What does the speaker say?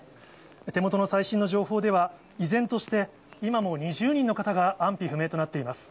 手元の最新の情報では、依然として、今も２０人の方が安否不明となっています。